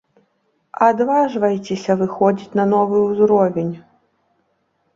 Адважвайцеся выходзіць на новы ўзровень!